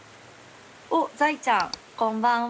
おっ、ざいちゃんこんばんは。